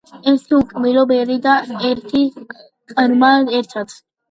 ერთი უკბილო ბერი და ერთი ყრმა ერთად